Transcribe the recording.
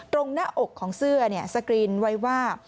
หน้าอกของเสื้อสกรีนไว้ว่า